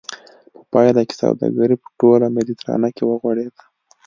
په پایله کې سوداګري په ټوله مدیترانه کې وغوړېده